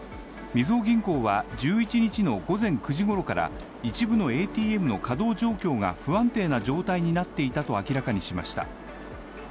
みずほ銀行は１１日の午前９時ごろから一部のＡＴＭの稼働状況が不安定な状態になっていたと明らかにしました。